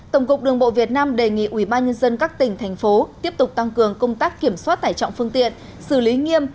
tổng cục đường bộ việt nam đề nghị ubnd các tỉnh thành phố tiếp tục tăng cường công tác kiểm soát tải trọng phương tiện xử lý nghiêm